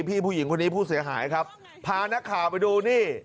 ผู้หญิงคนนี้ผู้เสียหายครับพานักข่าวไปดูนี่